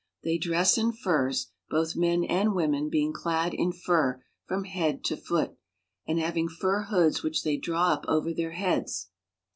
They dress in furs, both men and women being clad in fur from head to foot, and having fur hoods which they draw up over their heads.